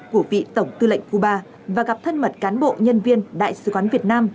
của vị tổng tư lệnh cuba và gặp thân mật cán bộ nhân viên đại sứ quán việt nam